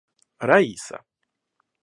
Раиса